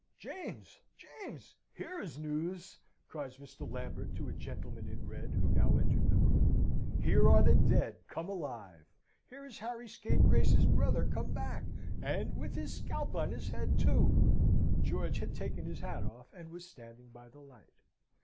"James! James! Here is news!" cries Mr. Lambert to a gentleman in red, who now entered the room. "Here are the dead come alive! Here is Harry Scapegrace's brother come back, and with his scalp on his head, too!" (George had taken his hat off, and was standing by the light.)